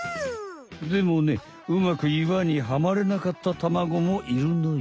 でもねうまく岩にはまれなかった卵もいるのよ。